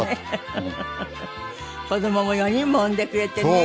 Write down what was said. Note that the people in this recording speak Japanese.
子どもも４人も産んでくれてね。